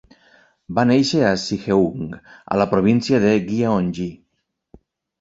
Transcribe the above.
Va néixer a Siheung, a la província de Gyeonggi.